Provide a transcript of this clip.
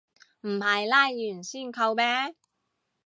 唔係拉完先扣咩